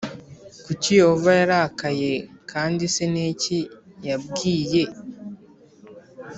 Kuki Yehova yarakaye kandi se ni iki yabwiy